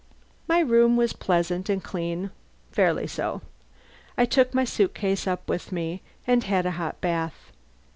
My room was pleasant and clean (fairly so). I took my suit case up with me and had a hot bath.